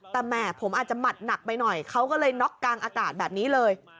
แต่แหมผมอาจจะหมัดหนักไปหน่อยเขาก็เลยน็อกกลางอากาศแบบนี้เลย